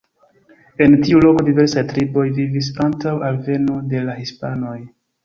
En tiu loko diversaj triboj vivis antaŭ alveno de la hispanoj.